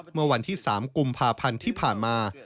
เมื่อวันที่๓กุมภาพันธ์ที่ผ่านมา